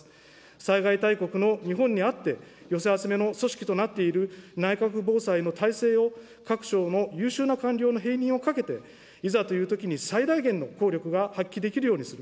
災害大国の日本にあって、寄せ集めの組織となっている内閣府防災の体制を各省の優秀な官僚の併任をかけて、いざというときに、最大限の効力が発揮できるようにする。